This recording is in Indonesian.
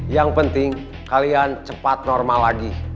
yang penting kalian cepat normal lagi